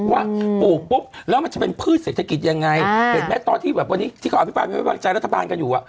ว่าปลูกปุ๊บแล้วมันจะเป็นพืชเศรษฐกิจยังไงเห็นไหมพี่ป้านใจรัฐบาลยังอยู่